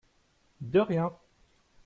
De rien.